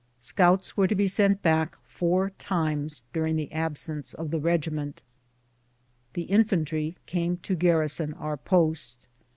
Scouts were to be sent back four times during the absence of the regiment. The infantry came to garrison our post.